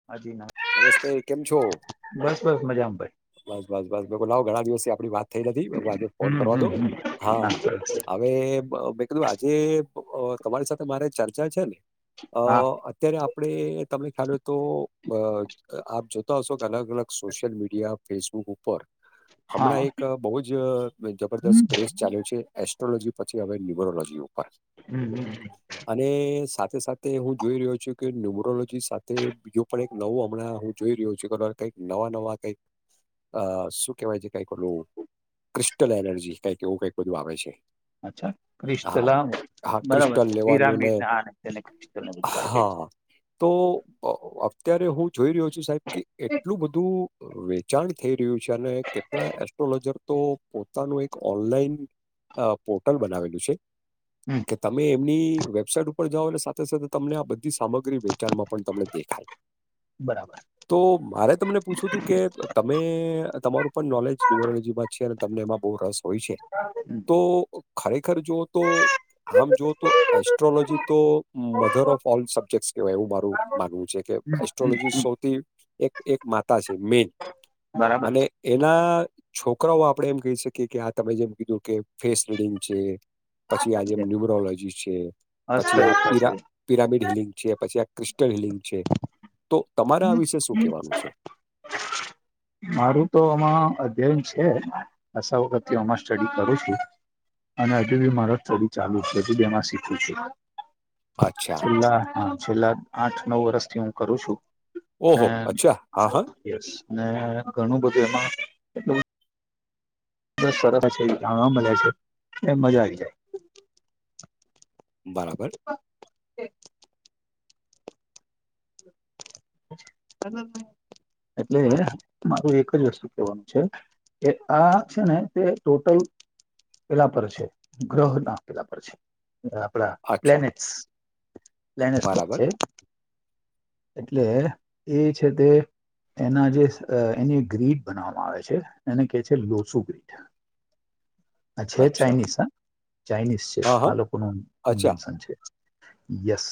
[unintelligible] નમસ્તે કેમ છો? બસ બસ મજામાં ભાઈ. બસ બસ બસ લાવો ઘણા દિવસથી આપડી વાત થઈ નથી આજે ફોન કરવા દો. હા હ સર. [inaudible] મેં પ કીધું આજે અ તમારી સાથે મારે ચર્ચા છે ને અ. હા અત્યારે આપણે તમે ખ્યાલ હો તો. અ આપ જોતા હશો કે અલગ અલગ સોશિયલ મીડિયા ફેસબુક ઉપર. હમણાં હા એક બહુ જ હમ જબરદસ્ત ક્રેસ ચાલ્યો છે. એસ્ટ્રોલોજી પછી હવે ન્યુરોલોજી ઉપર. હમ હમ. અને સાથે સાથે હું જોઈ રહ્યો છું કે ન્યુમરોલોજી સાથે. પણ એક નવું હમણાં હું જોઈ રહ્યો છું કે કઈક નવા નવા કઈક. અ શું કેહેવાય છે કઈક ઓલું ક્રિસ્ટલ એનર્જી કઈક એવું કઈક બધું આવે છે. અચ્છા ક્રિસ્ટલ હા આ હા બરાબર ક્રિસ્ટલ છે લેવાનું ને પિરામિડ ના આ તેને બરાબર છે. હા તો અત્યારે હું જોઈ રહ્યો છું સાહેબ કે એટલું બધું. વેચાણ થઈ રહ્યું છે અને કેટલા એસ્ટ્રોલોજર તો પોતાનું એક ઓનલાઈન અ પોર્ટલ બનાવેલું છે હમ કે તમે એમની વેબસાઈટ ઉપર. પણ જાવ એલે સાથે સાથે તમને આ બધી સામગ્રી વેચાણમાં પણ તમને દેખાય. બરાબર. તો મારે તમને પૂછવું હતું કે તમે તમારું પણ નોલેજ ન્યમનોલોજીમાં છે અને તમને એમાં બહુ રસ. હોય છે હમ તો. ખરેખર જોવ તો આમ જોઓ તો એસ્ટ્રોલોજી તો. મધર ઓફ ઓલ સબ્જેક્ટ કેહેવાય એવું મારું માનવું છે કે હમ હમ એસ્ટ્રોલોજી હમ સૌથી એક એક માતા છે મેન બરાબર અને એના. છોકરાઓ આપડે એમ કહી શકીએ કે આ તમે જેમ કીધું કે ફેસ રીડંગ છે. પછી આ જેમ છે ન્યુમરોલોજી છે પછી અસ્તરી આ થશે પીરા. પિરામિડ હિલિંગ છે પછી આ ક્રિસ્ટલ હિલિંગ છે. તો. તમારે આ હમ વિશે શું હમ. કહેવાનું [unintelligible] મારું તો આમાં અધ્યયન છે અશા વખત અમાં સ્ટડી કરું છું. અને હજુ બી મારા સ્ટડી ચાલુ છે હજુમાં શીખું છે. અચ્છા. છેલ્લા છેલ્લા આઠ નવ વર્ષથી હું કરું છું. અને ઓહો અચ્છા હા હા. યસ ને ઘણું બધું એમાં. બ સર એ જાણવામાં મજા છે એ મજા આવી જાય. બરાબર. [inaudible] ક [inaudible] એટલે મારું એક જ વસ્તુ કેવાનું છે. એ આ છે ને તે ટોટલ. પેલા પર છે ગ્રહ ના પેલા પર છે. આપડા અચ્છા. પ્લેનેટ્સ પ્લેનેટ્ પર‌ બરાબર. છે. એટલે એ છે તે. એના જે એની ગ્રીડ બનાવવામાં આવે છે એને કેહે છે લોસુ ગ્રીડ. [unintelligible] હ છે અચ્છા. ચાઇનીઝ ના ચાઈનીઝ છે હા, હા. આ લોકો ન અચ્છા. ઇન્વેન્શન છે. યસ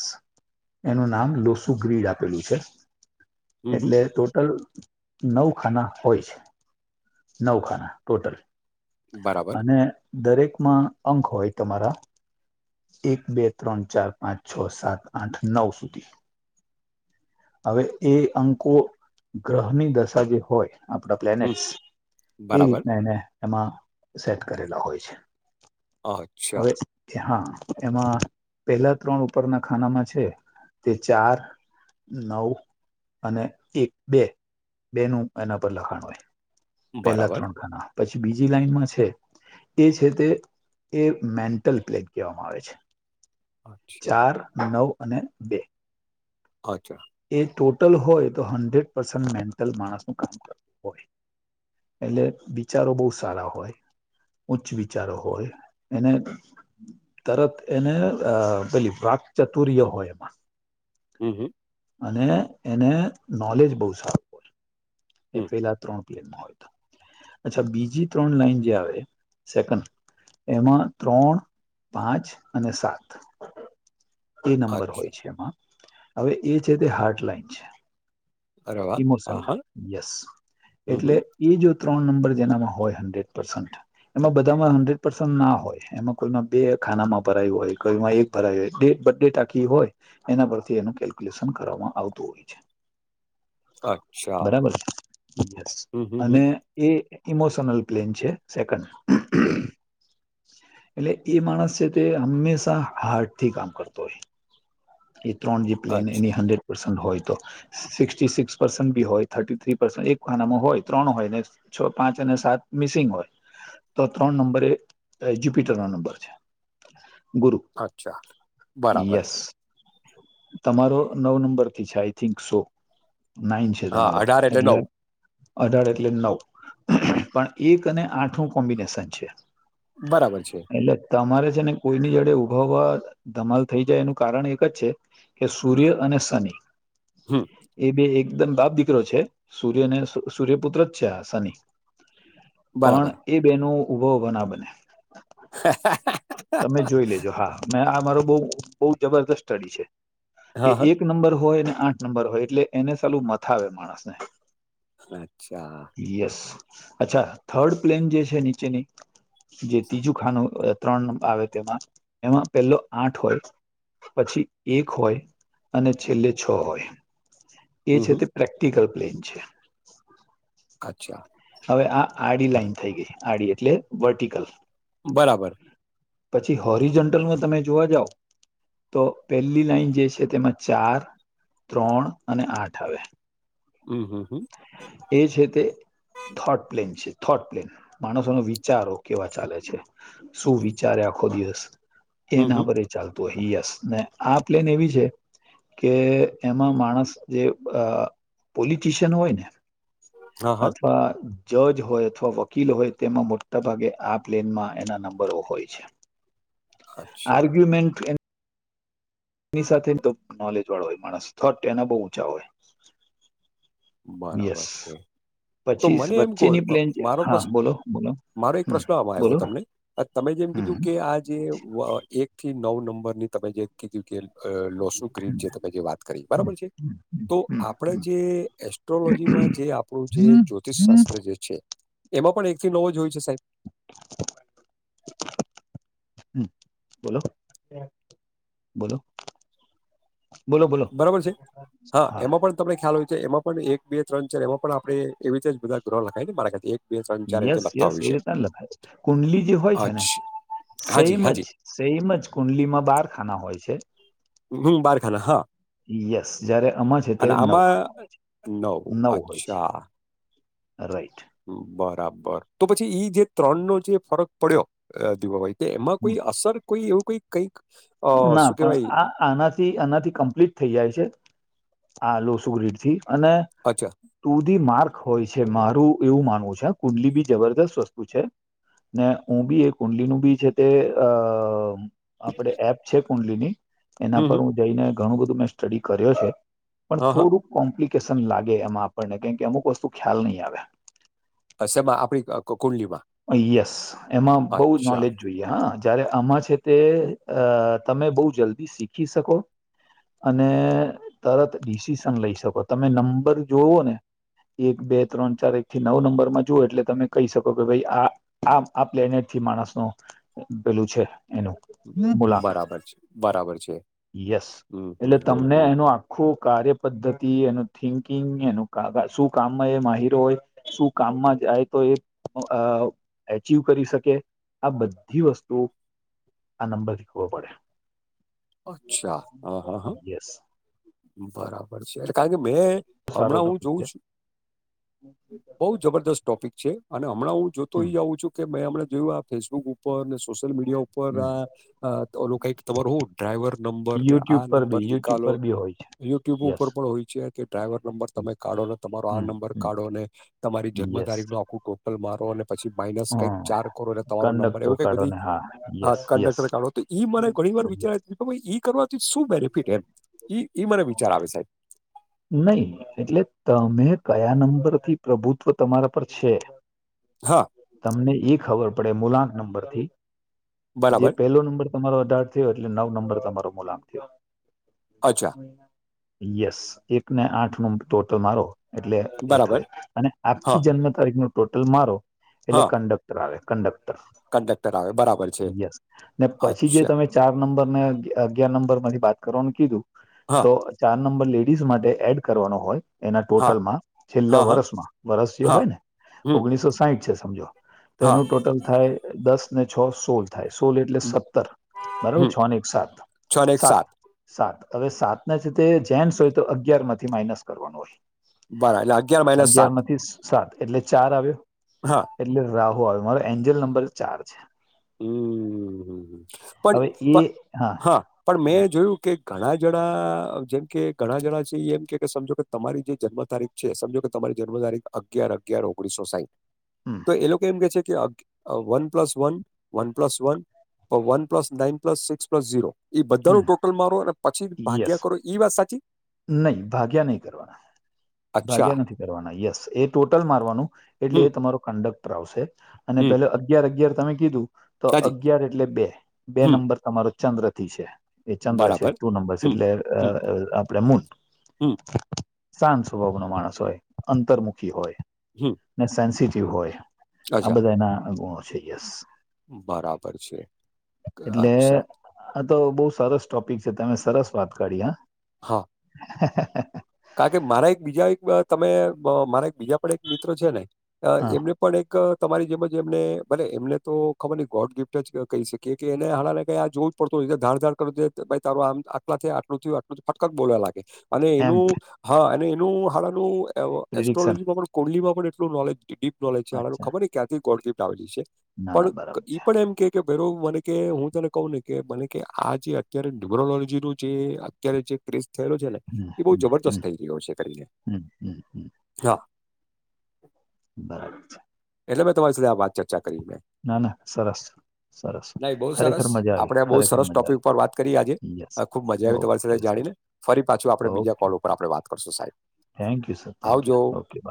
એનું નામ લોસુ ગ્રીડ આપેલું છે. હં, હં. એટલે ટોટલ નવ ખાના હોય છે નવ ખાના ટોટલ બરાબર, અને દરેકમાં અંક હોય તમારા. એક બે ત્રણ ચાર પાંચ છ સાત આઠ નવ સુધી. હવે એ અંકો ગ્રહની દશા જે હોય. આપણા હમ. પ્લેનેટશ એ બરાબર. રીતના એને એમાં સેટ કરેલા હોય છે. અચ્છા. કે હા એમાં પેલા ત્રણ ઉપરના ખાનામાં છે તે ચાર નવ અને એક બે બેનું એના પર લખાણ હોય. પેલા બરાબર. ત્રણ ખાના પછી બીજી લાઈનમાં છે. એ છે તે એ મેન્ટલ પ્લેગ કહેવામાં આવે છે. અચ્છા, ચાર નવ અને બે અચ્છા. એ ટોટલ હોય તો હંડ્રેડ પસ મેન્ટલ માણસ નુ કામ કરતું હોય. એટલે વિચારો બહુ સારા હોય. ઉચ્ચ વિચારો હોય એને તરત એને પેલી વાકચતુર્ય હોય એમાં. હમ હમ. અને એને નોલેજ બહુ સારું. એ હમ, પેલા ત્રણ પ્લેનમાં હોય અચ્છા હમ. બીજી ત્રણ લાઈન જે આવે સેકન્ડ એમાં ત્રણ પાંચ અને સાત [inaudible] એ નંબર અચ્છા. હોય છે એમાં હવે એ છે તે હાર્ટલાઇન છે. અરે વાહ! હા, ઇમોશનલ હા. યસ હમ, હમ. એટલે એ જો ત્રણ નંબર જેનામાં હોય હંડ્રેડ પર્સન્ટ એમાં બધામાં હન્ડ્રેડ પર્સન્ટ ના હોય એમાં કોઈમાં બે ખાનામાં ભરાયું હોય કોઈમાં એક ભરાયે બર્થ ડેટ આખી હોય એના પરથી એનું કેલ્ક્યુલેશન કરવામાં આવતું હોય છે. અચ્છા. બરાબર છે હમ, હમ, હમ. અને એ ઇમોશનલ પ્લેન છે સેકન્ડ એટલે એ માણસ છે તે હંમેશા હાર્ટ થી કામ કરતો હોય. એ ત્રણ જે પ્લેન અચ્છા, એની હન્ડ્રેડ પર્સન્ટ હોય તો. સિક્સ સિક્સ પર્સન્ટ બી હોય થર્ટી થ્રી પર્સન્ટ એક ખાનામાં હોય ત્રણ હોય ને છ પાંચ અને સાત મિસિંગ હોય. તો ત્રણ નંબર એ જ્યુપિટર નો નંબર છે. ગુરુ અચ્છા. બરાબર. યસ તમારો નવ નંબર થી છે આઈ થિંક સો નાઈન છે તમારો એટલે અઢાર એટલે નવ પણ એક અને આઠ નું કોમ્બિનેશન છે. બરાબર છે. એટલે તમારે છે ને કોઈની જોડે ઉભા ઉભા ધમાલ થઈ જાય એનું કારણ એક જ છે. કે સૂર્ય અને શનિ હમ. એકદમ બે એકદમ બાપ દીકરો છે. સૂર્યને સૂર્ય પુત્ર જ છે આ શનિ પણ બરાબર. એ બેનો ઊભા ઉભા ના બને હ [unintelligible] તમે જોઈ લેજો હા મે આ મારો બહુ બહુ જબરદસ્ત સ્ટડી છે. કે હા. એક નંબર હોય ને આઠ નંબર હોય એટલે એને સાલું મથાવે માણસને અચ્છા. યસ અચ્છા થર્ડ પ્લેન જે છે નીચેની જે ત્રીજું ખાનું ત્રણ આવે તેમાં એમાં પહેલો આઠ હોય પછી એક હોય અને છેલ્લે છ હોય એ હમ, છે હમ. તે પ્રેક્ટિકલ પ્લેન છે. અચ્છા. હવે આ આડી લાઈન થઈ ગઈ આડી એટલે વર્ટિકલ બરાબર. પછી હોરીજન્ટલમાં તમે જોવા જાવ તો પહેલી લાઈન જે છે તેમાં ચાર ત્રણ અને આઠ આવે હમ હમ હમ. એ છે તે થોટ પ્લેન છે થોટ પ્લેન માણસો ન વિચારો કેવા ચાલે છે. શું વિચારે આખો દિવસ હમ, એના હમ. પર ચાલતું હ યસ ને આ પ્લેન એવી છે કે એમાં માણસ જે પોલિટીશિયન હોય ને અ હ. જજ હોય અથવા વકીલ હોય તેમાં મોટા ભાગે આ પ્લેનમાં એના નંબરો હોય છે. [inaudible] અચ્છા, આરગ્યુંમેન્ટ ની સાથેને તો નોલેજ વાળો હોય માણસ થોટ એના બહુ ઊંચા હોય. યસ બરાબર છે તો પછી મને એમ કો વચ્ચેની પ્લેન છે મારો હા પ્રશ્ન બોલો બોલો મારો એક હમ પ્રશ્ન આમાં બોલો આવ્યો તમને તમે જેમ કીધું હમ કે આ જે એક થી નવ નંબર ની તમે જે કીધું કે લોસુ ક્રીટ હમ જે તમે જે વાત કરી બરાબર હમ છે હમ તો હમ આપણેે જે એસ્ટ્રોલોજીમાં જે આપણું જે હમ હમ જ્યોતિષ હમ શાસ્ત્ર જે છે એમાં પણ એક થી નવો જ હોય છે સાહેબ? [inaudible] હમ બોલો બોલો બોલો બોલો બરાબર છે હા એમાં પણ આપને ખ્યાલ હોય છે એમાં પણ એક બે ત્રણ છે એમાં પણ આપણે એવી રીતે જ બધા ગ્રહ લખાય ને મારા તે યસ યસ એ રીત લખાય કુંડલી જે હોય છે ને અચ્છા હાજી, સેમ જ હાજી. સેમ જ કુંડલી માં બાર ખાના હોય છે. હમ બાર ખાના હા યસ જ્યારે આમાં છે અને ત્યારે નવ આમાં ખાના હોય છે નવ હોય છે. અચ્છા. રાઈટ. બરાબર તો પછી ઈ જે ત્રણ નો જે ફરક પડ્યો દીવાભાઈ કે એમાં કોઈ અસર કોઈ એવું કઈ કઈક અ ના શું પણ કેહેવાય આ આનાથી આનાથી કમ્પ્લીટ થઈ જાય છે આ લોસુ ગ્રીડથી અને અચ્છા. ટુ ધી માર્ક હોય છે મારું એવું માનવું છે કુંડલી બી જબરદસ્ત વસ્તુ છે. ને હું બી એ કુંડલીનું બી છે તે અ આપણે એપ છે કુંડલીની એના હમ, હમ. પર હું જઈને ઘણું બધું મેં સ્ટડી કર્યો છે. પણ હા, હા. થોડુંક કોમ્પ્લિકેશન લાગે એમાં આપણને કેમ કે અમુક વસ્તુ ખ્યાલ નહી આવે. સેમા આપણી કુંડલીમાં યસ એમાં બહુ જ અચ્છા. નોલેજ જોઈએ હા જયારે આમાં છે તે તમે બહ જલ્દી શીખી શકો? અને તરત ડિસિશન લઈ શકો તમે નંબર જોવો ને એક બે ત્રણ ચાર એક થી નવ નંબર માં જુઓ એટલે તમે કહી શકો. ભાઈ આ આ આ પ્લેનેટ થી માણસનું પેલું છે એનું મુલાક બરાબર છે, બરાબર છે. યસ હમ, એટલે હમ, હમ, તમને હમ. એનો આખું કાર્ય પદ્ધતિ એનું થિંકિંગ એનું ક શું કામમાં એ માહિર હોય. શું કામમાં જાય તો એ અ એચિવ કરી શકે આ બધી વસ્તુઓ આ નંબરથી શી ખવો પડે. અચ્છા હા હા હા પડે યસ બરાબર. મળ એટલે કારણ કે મેં સારો હમણાં હું ટોપિક જોઉં છે છું. બોવ જબરદસ્ત ટોપિક છે અને હમણાં હું જોતો હમ ઈ આંઉ છું. કે મેં હમણે જોયું આ ફેસબુક ઉપર ને સોશિયલ મીડિયા ઉપર હમ આ કઈક ખબર હોવ ડ્રાઈવર નંબરને આ યુટ્યુબ પર નંબર બી યુટ્યુબ લીખાલો પર બી હોય છે યુટ્યુબ ઉપર યસ પણ હોય છે કે ડ્રાઈવર નંબર તમે કાઢો ને તમારો આ હમ નંબર હમ કાઢોને તમારી જન્મ યસ તારીખનો આખું ટોટલ મારો અને પછી માઇનસ કઈક હમ ચાર કરો એટલે તમારો નંબર કંડક્ટર એવું કઈક કાઢો બધી ને હા યસ યસ કડક્ટર કાઢો તો ઈ મને ઘણી વાર વિચાર. યસ. તો ભ કરવાથી શું બેનિફિટ એમ મને વિચાર આવે સાહેબ. નહી એટલે તમે કયા નંબરથી પ્રભુત્વ તમારા પર છે. હા.. તમને ઈ ખબર પડે મુલાંક નંબરથી જે બરાબર પેલો નંબર. તમારો અઢાર થયો એટલે નવ નંબર તમારો મુલામ થયો. અચ્છા. યસ એક ને આઠ નું ટોટલ મારો. એટલે એ થ બરાબર અને હા આખી જન્મ તારીખ ન ટોટલ મારો એટલે હા કંડક. આવે કંડક્ટર કંડક્ટર આવે બરાબર છે યસ ને પછી જે અચ્છા તમે. ચાર નંબર ને અગિયાર નંબર માંથી વાત કરવાનું કીધું હા તો ચાર નંબર લેટ. દીસે માટે એડ કરવાનો હોય. એના હા ટોટલમાં હા છેલ્લા હા વર્ષમાં વર્ષ જે હા હોય ને હમ ઓગણીસો સાહીઠ છે સમજો. તો હા એનું ટોટલ થાય દસ ને છ સોળ. થાય સોળ એટલે સત્તર બરાબર હમ છ ને એક સાત છ ને એક સાત. સાત હવે સાત ના છે તે જેન્સ હોય તો અગિયાર માંથી માઇનસ કરવાનું હોય. બરા એટલે અગિયાર માઇનસ સાત અગિયાર થી સાત એટલે ચાર આવ્યો. હા એટલે રાહુ આવે મારો એન્જલ નંબર ચાર છે. હમ હ પણ હવે એ પણ હા. પણ મેં જોયું કે ઘણા જણા જેમ કે ઘણા જણા છે એ એમ કે સમજો કે તમારી જે જન્મ તારીખ. છે સમજો કે તમારી જન્મ તારીખ અગિયાર અગિયાર ઓગણીસો સાહીઠ. હમ તો એ લોકો એમ કે છે કે one plus one one plus one. One plus nine plus six plus zero એ હમ બધાનું ટોટલ મારો અને પછી યસ ભાગ્યા કરો. ઈ વાત સાચી. નહી ભાગ્યા નહીં કરવાના. અચ્છા, ભાગ્યા નથી કરવાના યસ એ ટોટલ મારવાનું એટલે હમ, એ તમારો કંડક્ટ. શે અને હમ, પે અગયાર અગયાર તમે કીધું તો સાચી, અગયાર એટલે બે બે હમ, નંબર. અમારો ચંદ્ર થી છે એ ચંદ્ર છે બરાબર, ટુ નંબર છે હમ, હમ, એટલે. આપ મ હમ, શંત સ્વભાવ નો માણસ હોય અંતરમુખી હોય. હમ. ને સેન્સિટિવ હોય આ અચ્છા, બધા એના ગુણો છે યસ. બરાબર છે અચ્છા. હા તો બહુ સરસ ટોપિક છે તમે સરસ વાત કરી હ. હા. હા. કાર કે મારા એક બીજા એક તમે મારા એક બીજા પણ એક મિત્ર છે ને હા એમને. પણ એક તમારી જેમ જ એમને ભલે એમને તો ખબર નહી ગોડ ગિફ્ટ જ કહી શકીએ કે એને હણાને કઈ આ જો. પડતો ધાર ધાર કર દે તારો આમ આટલા આટલું ફટક બોલવા લાગે. અને એમ એનું હા અને એનું હાલ એનું પ્રિડિક્શન એસ્ટ્રોલોજીમાં પણ. કુંડલી માં પણ એટલ નોલેજ ડીપ નોલેજ છે અચ્છા ખબર ને ક્યાારથી ગોડપ આવેલી છે. ના ના પણ બરાબર ઈ છે પણ એમ કે. કે ભે મને કે હું તને કહું ને કે મને કે આ જે અત્યારે ટેકરલોજી નું જે. અત્યારે જે કિઝ થયેલો છે ને હમ એ બહુ હમ જબરજસ્ત હમ થઈ રહ્યો છે કરીને હમ હમ હમ હા. બરાબર છે. એટલે મેં તમારી સાથે આવાત ચર્ચા કરી મેં. ના ના સરસ. સરસ નહી બહ સરસ ખરેખર મજા આવી આપડ આ બહ ખરેખર સરસ મજા ટોપિક ઉપ વાત કરી આજે આવી યસ ખુબ મજા આવી તમારી સાથે ઓકે સર જાણીને. ફરી પાછું આપડણે બીજા ઓકે કોલ ઉપર આપણે વાત કરશું સાહેબ. Thank you sir thank you આવજો ઓકે બ.